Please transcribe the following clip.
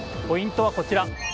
ポイントはこちら。